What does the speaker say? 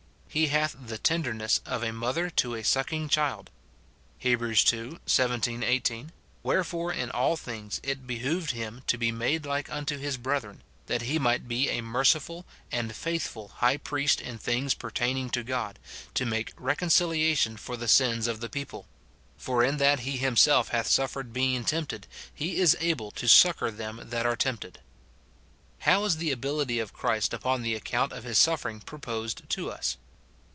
He hath the tenderness of a mother to a sucking child. Heb. ii. 17, 18, "Wherefore in all things it behoved him to be made like unto his brethren, that he might be a merciful and faithful high priest in things pertaining to God, to make reconciliation for the sins of the people. For in that he himself hath suflFered being tempted, he is able to succour them that are tempted." How is the ability of Christ upon the ac count of his suffering proposed to us